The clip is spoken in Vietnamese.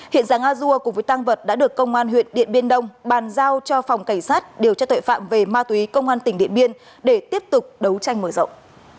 hiện giáng a dua cùng với tăng vật đã được công an huyện điện biên đông bàn giao cho phòng cảnh sát điều tra tội phạm về ma túy công an tỉnh điện biên để tiếp tục đấu tranh mở rộng